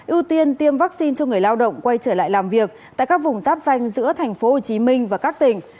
ưu tiên tiêm vaccine cho người lao động quay trở lại làm việc tại các vùng giáp danh giữa tp hcm và các tỉnh